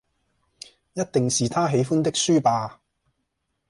一定是他喜歡的書吧！